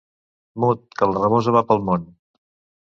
Mut, que la rabosa va pel món.